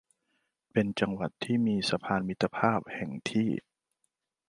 เป็นจังหวัดที่มีสะพานมิตรภาพแห่งที่